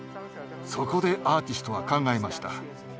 そこでアーティストは考えました。